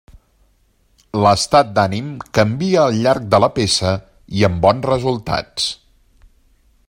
L'estat d'ànim canvia al llarg de la peça i amb bons resultats.